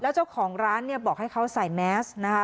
เจ้าของร้านเนี่ยบอกให้เขาใส่แมสนะคะ